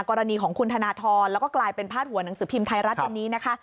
กรณีของคุณธนทรแล้วก็กลายเป็นพาดหัวหนังสือพิมพ์ไทยรัฐวันนี้นะคะ